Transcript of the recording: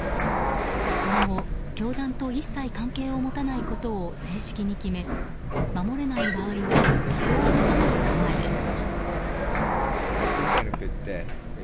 今後、教団と一切関係を持たないことを正式に決め、守れない場合は離党を求める構えです。